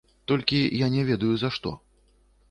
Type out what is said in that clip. Толькі я не ведаю за што.